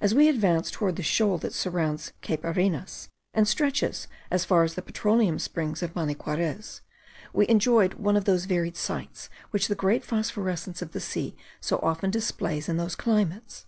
As we advanced towards the shoal that surrounds Cape Arenas and stretches as far as the petroleum springs of Maniquarez, we enjoyed one of those varied sights which the great phosphorescence of the sea so often displays in those climates.